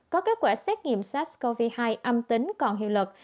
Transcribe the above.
có kết quả xét nghiệm sars cov hai âm tính còn hiệu lực